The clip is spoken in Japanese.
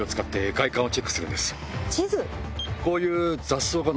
こういう。